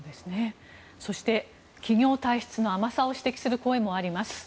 そして、企業体質の甘さを指摘する声もあります。